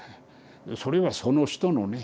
それはその人のね